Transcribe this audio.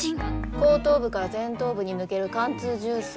後頭部から前頭部に抜ける貫通銃創。